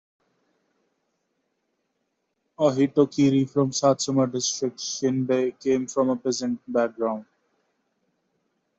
A hitokiri from the Satsuma District, Shinbei came from a peasant background.